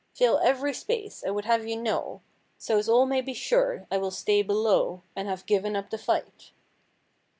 Fill every space, I would have you know, So's all may be sure I will stay below. And have given up the fight.